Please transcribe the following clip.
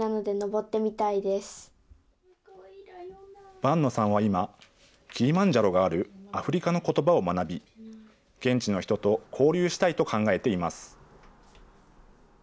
伴野さんは今、キリマンジャロがあるアフリカのことばを学び、現地の人と交流したいと考えています。